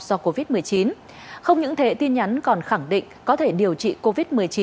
do covid một mươi chín không những thế tin nhắn còn khẳng định có thể điều trị covid một mươi chín